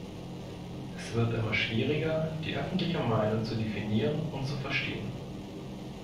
Es wird immer schwieriger, die öffentliche Meinung zu definieren und zu verstehen.